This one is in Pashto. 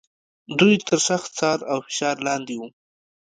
دوی تر سخت څار او فشار لاندې و.